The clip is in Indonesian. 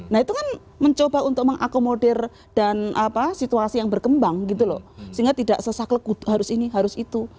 nah itu kan mencoba untuk mengakomodir dan situasi yang berkembang gitu loh sehingga tidak sesak lekut harus ini harus itu